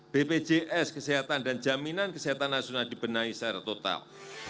bpjs kesehatan dan jaminan kesehatan nasional dibenahi secara total